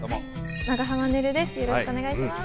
長濱ねるです